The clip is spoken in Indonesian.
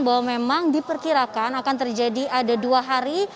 bahwa memang diperkirakan akan terjadi ada dua hari